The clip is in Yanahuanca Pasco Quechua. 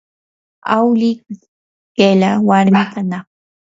awlliqa qilla warmi kanaq.